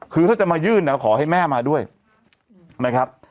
คือถ้าจะมายื่นขอให้แม่มาด้วยนะครับ